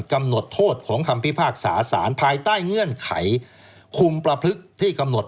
กำหนดโทษของคำพิพากษาสารภายใต้เงื่อนไขคุมประพฤกษ์ที่กำหนด